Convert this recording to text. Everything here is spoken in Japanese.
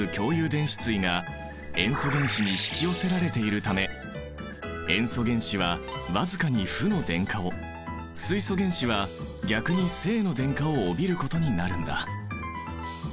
電子対が塩素原子に引き寄せられているため塩素原子はわずかに負の電荷を水素原子は逆に正の電荷を帯びることになるんだ。